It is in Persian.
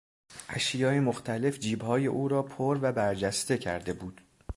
اشیای مختلف جیبهای او را پر و برجسته کرده بود.